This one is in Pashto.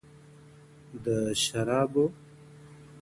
د شرابو په محفل کي مُلا هم په گډا – گډ سو.